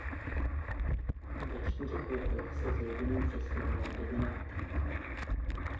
Ve čtyřech letech se s rodinou přestěhoval do Benátek.